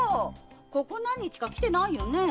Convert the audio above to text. ここ何日か来てないよねえ？